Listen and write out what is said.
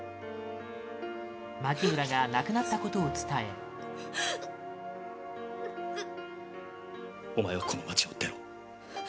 槇村が亡くなったことを伝え冴羽：お前はこの街を出ろ。